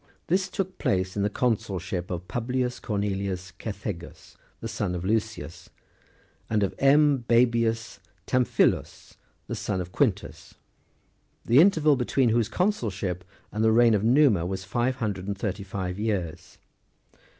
This took place in the consulship of Publius Cornelius Cethegus, the son of Lucius, and of M. Basbius Tamphilus, the son of Quintus, the interval between whose consulship and the reign of Numa was five hundred and thirty five years.